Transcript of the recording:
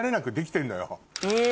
え。